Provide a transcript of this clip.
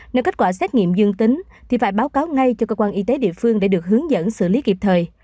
nếu kết quả xét nghiệm dương tính thì phải báo cáo ngay cho cơ quan y tế địa phương để được hướng dẫn xử lý kịp thời